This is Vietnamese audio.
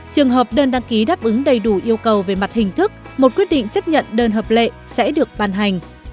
trường hợp đơn đăng ký đáp ứng đầy đủ yêu cầu về mặt hình thức một quyết định chấp nhận đơn hợp lệ sẽ được ban hành